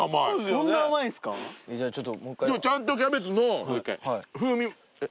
でもちゃんとキャベツの風味えっ？